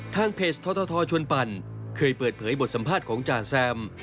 ทางเพจททชวนปั่นเคยเปิดเผยบทสัมภาษณ์ของจ่าแซม